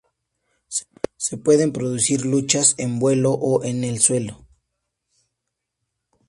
Se pueden producir luchas en vuelo o en el suelo.